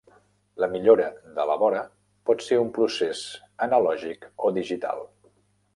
La millora de la vora pot ser un procés analògic o digital.